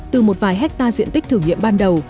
từ một vài hectare diện tích thử nghiệm ban đầu